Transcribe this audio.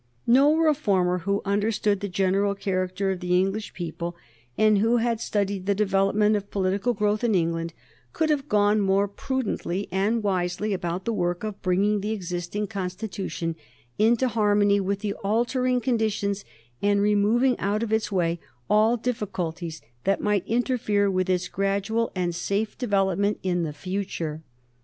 No Reformer who understood the general character of the English people, and who had studied the development of political growth in England, could have gone more prudently and wisely about the work of bringing the existing Constitution into harmony with the altering conditions, and removing out of its way all difficulties that might interfere with its gradual and safe development in the future.